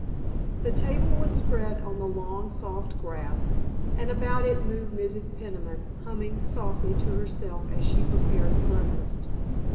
The table was spread on the long, soft grass, and about it moved Mrs. Peniman, humming softly to herself as she prepared the breakfast.